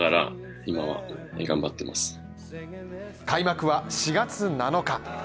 開幕は４月７日。